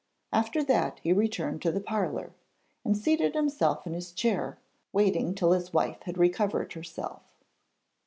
After that he returned to the parlour, and seated himself in his chair, waiting till his wife had recovered herself.